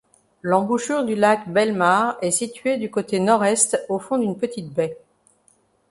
L'embouchure du lac Bellemare est situé du côté nord-est au fond d'une petite baie.